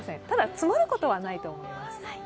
ただ、積もることはないと思います。